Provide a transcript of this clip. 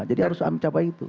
jadi harus sampai itu